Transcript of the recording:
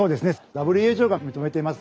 ＷＨＯが認めています